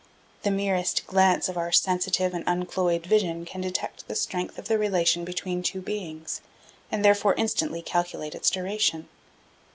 The merest glance of our sensitive and uncloyed vision can detect the strength of the relation between two beings, and therefore instantly calculate its duration.